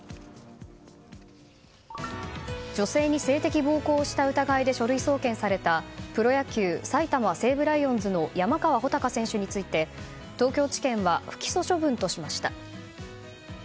女性に性的暴行をした疑いで書類送検されたプロ野球埼玉西武ライオンズの山川穂高選手について東京地検は不起訴処分としました。